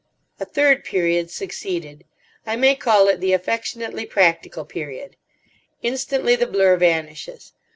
A third period succeeded. I may call it the affectionately practical period. Instantly the blur vanishes.